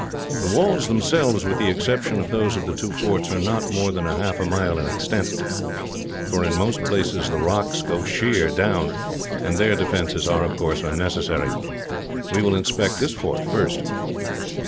The walls themselves, with the exception of those of the two forts, are not more than half a mile in extent; for in most places the rocks go sheer down, and there defences are, of course, unnecessary. We will inspect this fort, first."